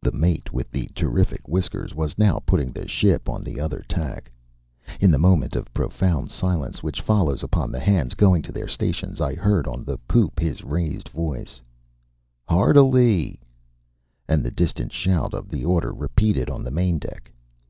The mate with the terrific whiskers was now putting the ship on the other tack. In the moment of profound silence which follows upon the hands going to their stations I heard on the poop his raised voice: "Hard alee!" and the distant shout of the order repeated on the main deck.